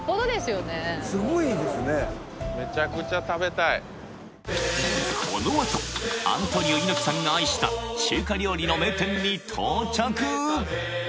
そんなこのあとアントニオ猪木さんが愛した中華料理の名店に到着！